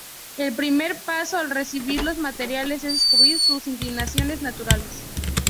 El primer paso al recibir los materiales es descubrir sus inclinaciones naturales.